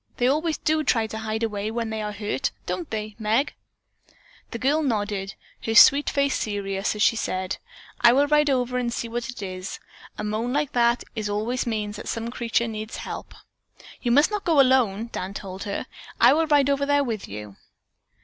They always do try to hide away when they are hurt, don't they, Meg?" The girl nodded, her sweet face serious as she said: "I will ride over and see what it is. A moan like that always means that some creature needs help." "You must not go alone," Dan told her. "I will ride over there with you."